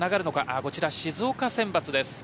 こちら静岡選抜です。